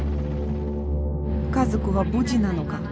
家族は無事なのか。